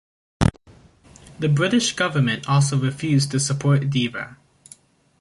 The British government also refused to support Deva.